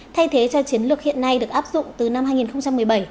thay thế cho chiến lược hiện nay được áp dụng từ năm hai nghìn một mươi bảy